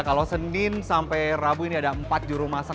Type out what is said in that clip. kalau senin sampai rabu ini ada empat juru masak